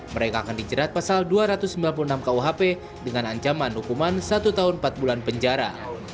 mereka akan dijerat pasal dua ratus sembilan puluh enam kuhp dengan ancaman hukuman satu tahun empat bulan penjara